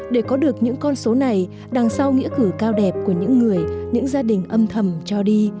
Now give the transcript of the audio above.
để có được những con số này đằng sau nghĩa cử cao đẹp của những người những gia đình âm thầm cho đi